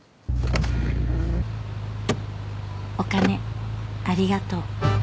「お金ありがとう。